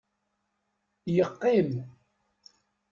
Yeqqim.